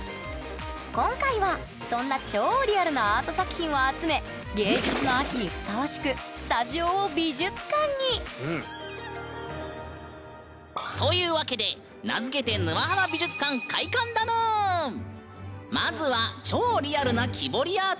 今回はそんな超リアルなアート作品を集め芸術の秋にふさわしくスタジオを美術館に！というわけで名付けてまずは超リアルな木彫りアートからご覧あれ！